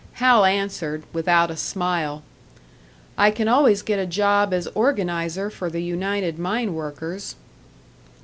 Hal answered, without a smile, "I can always get a job as organiser for the United Mine Workers."